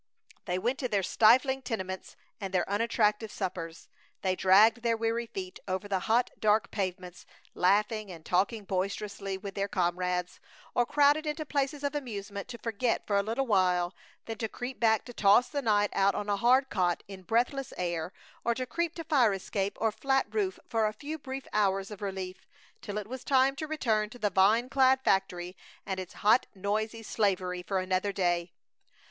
They went to their stifling tenements and their unattractive suppers. They dragged their weary feet over the hot, dark pavements, laughing and talking boisterously with their comrades, or crowded into places of amusement to forget for a little while, then to creep back to toss the night out on a hard cot in breathless air or to creep to fire escape or flat roof for a few brief hours of relief, till it was time to return to the vine clad factory and its hot, noisy slavery for another day.